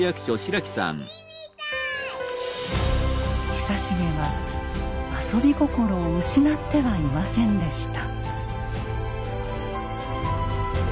久重は遊び心を失ってはいませんでした。